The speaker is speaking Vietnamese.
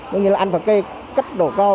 nói như là ăn vào cái cấp độ cao